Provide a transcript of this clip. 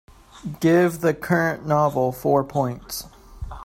Give the current novel four points.